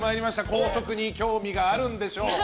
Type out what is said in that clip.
校則に興味があるんでしょう。